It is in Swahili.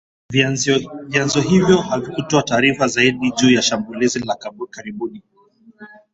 Vyanzo hivyo havikutoa taarifa zaidi juu ya shambulizi la karibuni